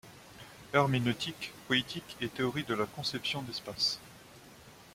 Herméneutique, poétique et théorie de la conception d'espace.